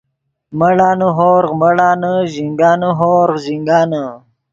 مڑانے ہورغ مڑانے ژینگانے ہورغ ژینگانے